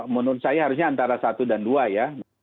menurut saya harusnya antara satu dan dua ya